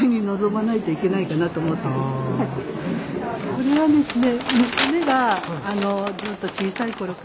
これはですね